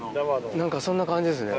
何かそんな感じですね。